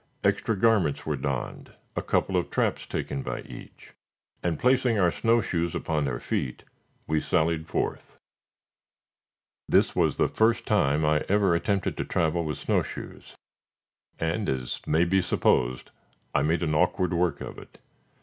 Extra garments were donned, a couple of traps taken by each, and, placing our snow shoes upon our feet, we sallied forth. This was the first time I ever attempted to travel with snow shoes, and, as may be supposed, I made awkward work of it.